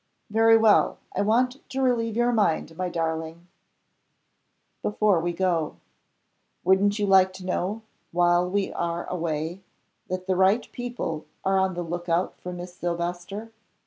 "Very well. I want to relieve your mind, my darling before we go. Wouldn't you like to know while we are away that the right people are on the look out for Miss Silvester?